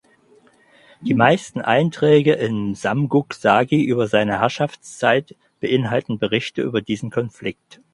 Die meisten Einträge im Samguk Sagi über seine Herrschaftszeit beinhalten Berichte über diesen Konflikt.